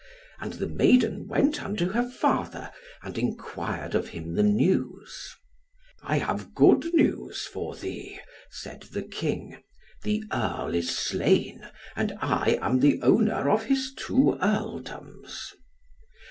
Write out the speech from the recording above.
And the maiden went unto her father, and enquired of him the news. "I have good news for thee," said the King, "the Earl is slain, and I am the owner of his two Earldoms."